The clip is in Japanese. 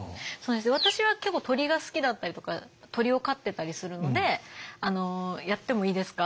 私は結構鳥が好きだったりとか鳥を飼ってたりするのであのやってもいいですか？